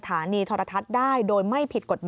ท่านก็ให้เกียรติผมท่านก็ให้เกียรติผม